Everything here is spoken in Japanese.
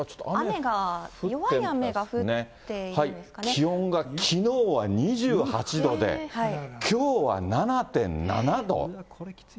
気温がきのうは２８度で、きょうは７．７度？